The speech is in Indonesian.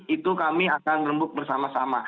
itu kami akan rembuk bersama sama